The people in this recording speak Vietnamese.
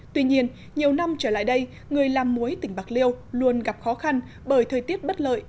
tuy nhiên nhiều năm trở lại đây người làm muối tỉnh bạc liêu luôn gặp khó khăn bởi thời tiết bất lợi